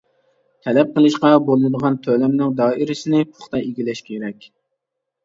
تەلەپ قىلىشقا بولىدىغان تۆلەمنىڭ دائىرىسىنى پۇختا ئىگىلەش كېرەك.